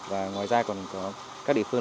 và ngoài ra còn có các địa phương